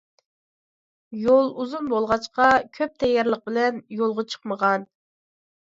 - يۇل ئۇزۇن بولغاچقا، كۆپ تەييارلىق بىلەن يولغا چىقمىغان.